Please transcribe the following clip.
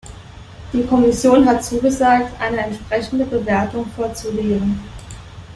Die Kommission hat zugesagt, eine entsprechende Bewertung vorzulegen.